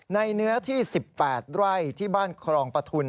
เนื้อที่๑๘ไร่ที่บ้านครองปฐุน